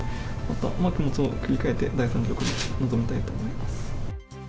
また気持ちを切り替えて第３局に臨みたいと思います。